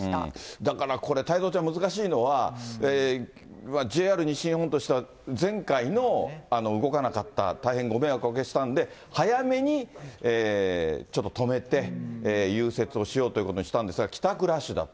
だからこれ、太蔵ちゃん、難しいのはＪＲ西日本としては、前回の動かなかった、大変ご迷惑をおかけしたんで、早めにちょっと止めて、融雪をしようということにしたんですが、帰宅ラッシュだった、